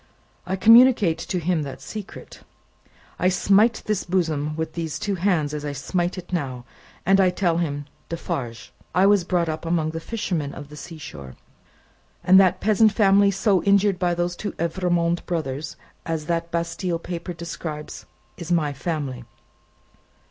"I communicate to him that secret. I smite this bosom with these two hands as I smite it now, and I tell him, 'Defarge, I was brought up among the fishermen of the sea shore, and that peasant family so injured by the two Evrémonde brothers, as that Bastille paper describes, is my family.